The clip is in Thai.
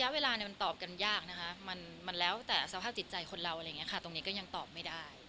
เวลามันตอบกันยากนะคะมันแล้วแต่สภาพจิตใจคนเราอะไรอย่างนี้ค่ะตรงนี้ก็ยังตอบไม่ได้